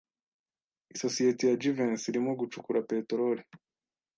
Isosiyete ya Jivency irimo gucukura peteroli.